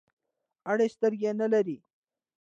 اړ سترګي نلری .